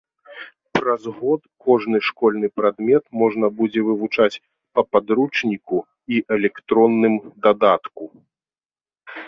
Праз год кожны школьны прадмет можна будзе вывучаць па падручніку і электронным дадатку.